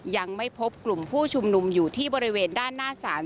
ยังไม่พบกลุ่มผู้ชุมนุมอยู่ที่บริเวณด้านหน้าศาล